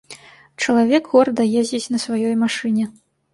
Чалавек горда ездзіць на сваёй машыне.